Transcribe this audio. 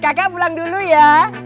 kakak pulang dulu ya